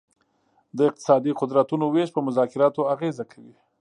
د اقتصادي قدرتونو ویش په مذاکراتو اغیزه کوي